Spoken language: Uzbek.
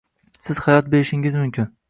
Siz hayot berishingiz mumkin.